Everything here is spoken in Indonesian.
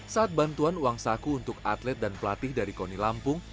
saat bantuan uang saku untuk atlet dan pelatih dari koni lampung